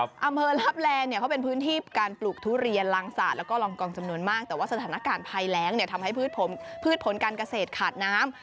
อำเมอรับแรงเขาเป็นพื้นที่การปลูกทุเรียนลังศาสตร์แล้วก็ลองกองจำนวนมากแต่ว่าสถานการณ์ภายแล้งทำให้พืชผลกันเกษตรขาดน้ำ